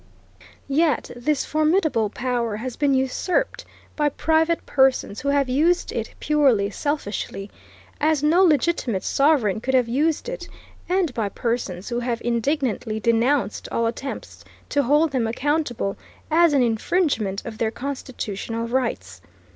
Yet this formidable power has been usurped by private persons who have used it purely selfishly, as no legitimate sovereign could have used it, and by persons who have indignantly denounced all attempts to hold them accountable, as an infringement of their constitutional rights.